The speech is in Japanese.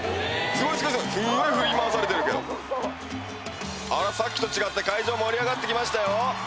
すごいすごいすんごい振り回されてるけどあれさっきと違って会場盛り上がってきましたよ